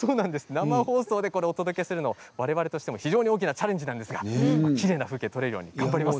生放送でお届けするのわれわれとしてもチャレンジなんですがきれいな風景撮れるように頑張ります。